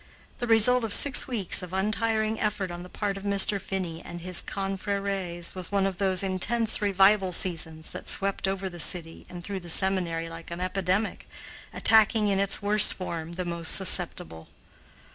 The result of six weeks of untiring effort on the part of Mr. Finney and his confreres was one of those intense revival seasons that swept over the city and through the seminary like an epidemic, attacking in its worst form the most susceptible.